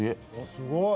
すごい。